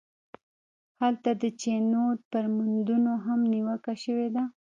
هلته د چینوت پر موندنو هم نیوکه شوې ده.